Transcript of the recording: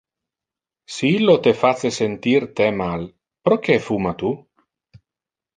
Si illo te face sentir te mal, proque fuma tu?